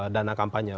dalam dana kampanye